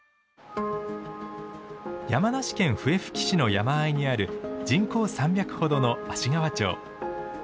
山梨県笛吹市の山あいにある人口３００ほどの芦川町。